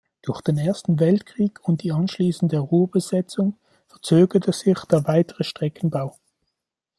Durch den Ersten Weltkrieg und die anschließende Ruhrbesetzung verzögerte sich der weitere Streckenbau.